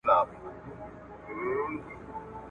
بیا دي پغمان دی واورو نیولی !.